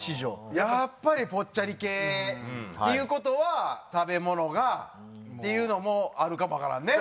やっぱりぽっちゃり系っていう事は食べ物がっていうのもあるかもわからんね。